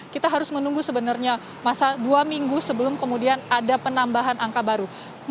kita harus menunggu sebenarnya masa dua minggu sebelum kemudian ada penambahan angka baru